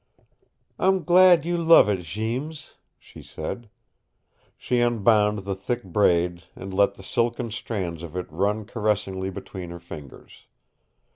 "I'm glad you love it, Jeems," she said. She unbound the thick braid and let the silken strands of it run caressingly between her fingers.